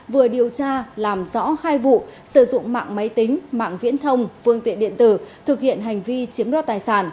vừa điều tra làm rõ hai vụ sử dụng mạng máy tính mạng viễn thông phương tiện điện tử thực hiện hành vi chiếm đoạt tài sản